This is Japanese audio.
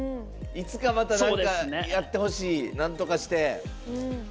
いつか、また何かやってほしい、なんとかして。